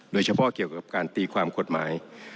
โดยเฉพาะเกี่ยวกับการตีความกฎหมาย